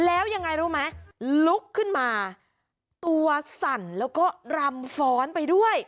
แล้วยังไงรู้ไหมลุกขึ้นมาตัวสั่นแล้วก็รำฟ้อนไปด้วย